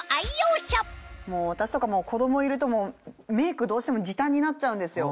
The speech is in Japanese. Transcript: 私とかも子供いるとメイクどうしても時短になっちゃうんですよ。